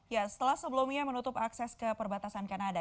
ya setelah sebelumnya menutup akses ke perbatasan kanada